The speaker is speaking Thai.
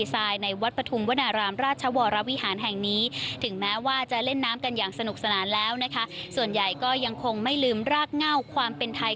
ส่วนใหญ่ก็ยังคงไม่ลืมรากเง่าความเป็นไทย